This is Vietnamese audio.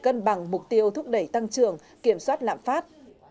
cân bằng mục tiêu thúc đẩy tăng trưởng kiểm soát lạm phát